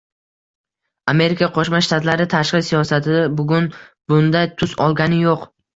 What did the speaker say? Amerika Qo'shma Shtatlari tashqi siyosati bugun bunday tus olgani yo‘q